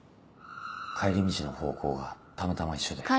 帰り道の方向がたまたま一緒で。